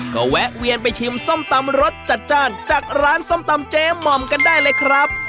ก็แวะเวียนไปชิมส้มตำรสจัดจ้านจากร้านส้มตำเจ๊หม่อมกันได้เลยครับ